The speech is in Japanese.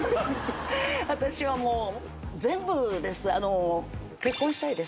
私はもう全部です。